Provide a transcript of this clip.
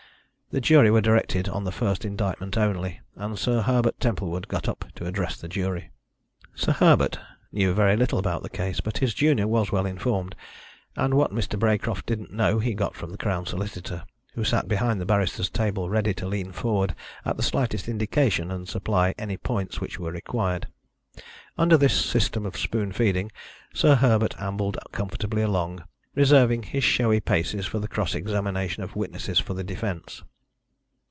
The jury were directed on the first indictment only, and Sir Herbert Templewood got up to address the jury. Sir Herbert knew very little about the case, but his junior was well informed; and what Mr. Braecroft didn't know he got from the Crown Solicitor, who sat behind the barristers' table, ready to lean forward at the slightest indication and supply any points which were required. Under this system of spoon feeding Sir Herbert ambled comfortably along, reserving his showy paces for the cross examination of witnesses for the defence.